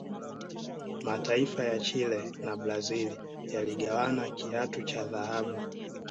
mataifa ya Chile na brazil yaligawana kiatu cha dhahabu